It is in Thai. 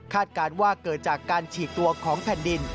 การว่าเกิดจากการฉีกตัวของแผ่นดิน